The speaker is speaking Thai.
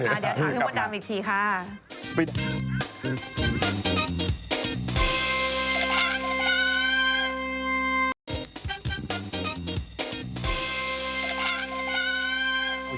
เดี๋ยวถ่ายให้พี่พุทธดำอีกทีค่ะปิด